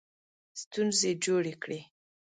ستونزې جوړې کړې.